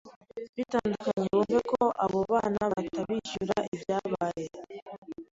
bitandukanye bumve ko abo bana batabishyura ibyabaye,